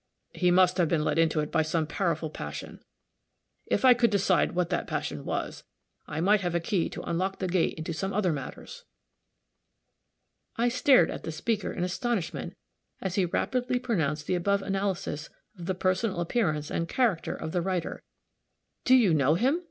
He must have been led into it by some powerful passion. If I could decide what that passion was, I might have a key to unlock the gate into some other matters." I stared at the speaker in astonishment as he rapidly pronounced the above analysis of the personal appearance and character of the writer. "Do you know him?"